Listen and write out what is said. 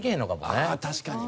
ああ確かに。